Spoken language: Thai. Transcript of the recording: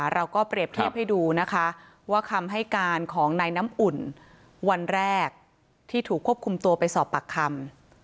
เราก็เปรียบเทียบให้ดูนะคะว่าคำให้การของนายน้ำอุ่นวันแรกที่ถูกควบคุมตัวไปสอบปากคำ